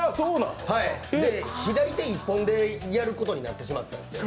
左手１本でやることになってしまったんです。